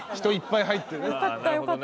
人いっぱい入ってね。